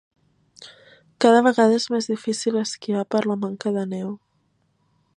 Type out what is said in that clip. Cada vegada és més difícil esquiar per la manca de neu.